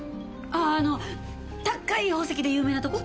あああの高い宝石で有名なとこ？